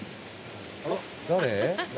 誰？